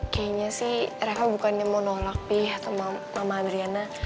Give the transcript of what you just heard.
kayaknya sih reva bukannya mau nolak pi atau mama adriana